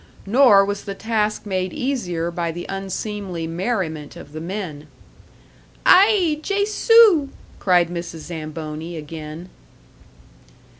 Nor was the task made easier by the unseemly merriment of the men. "Ai! Jesu!" cried Mrs. Zamboni again.